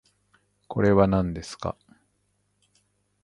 これはなんですか？